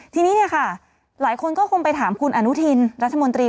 ทีนี้เนี่ยค่ะหลายคนก็คงไปถามคุณอนุทินรัฐมนตรี